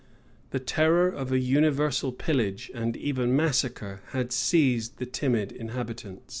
[] The terror of a universal pillage, and even massacre, had seized the timid inhabitants.